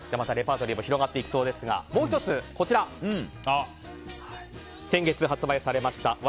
レパートリーも広がっていきそうですがもう１つ、先月発売されました